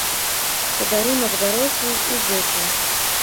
Падарунак дарослым і дзецям.